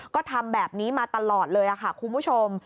ก็ทำแบบนี้มาตลอดเลยค่ะคุณผู้ชม